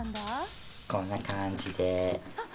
こんな感じで。